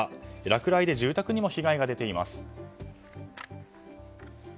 落雷で住宅にも被害が出ています。